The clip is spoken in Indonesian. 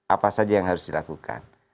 apa saja yang harus dilakukan